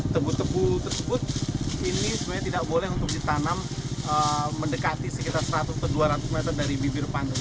tebu tebu tersebut ini sebenarnya tidak boleh untuk ditanam mendekati sekitar seratus atau dua ratus meter dari bibir pantai